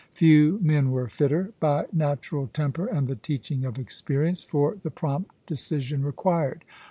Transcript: Few men were fitter, by natural temper and the teaching of experience, for the prompt decision required.